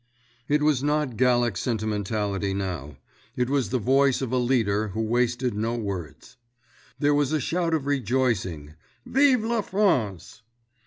_ It was not Gallic sentimentality now. It was the voice of a leader who wasted no words. There was a shout of rejoicing—"_Vive la France!